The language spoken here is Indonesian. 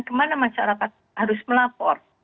kemana masyarakat harus melapor